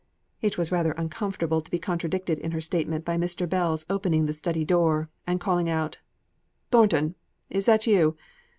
It was rather uncomfortable to be contradicted in her statement by Mr. Bell's opening the study door, and calling out: "Thornton! is that you?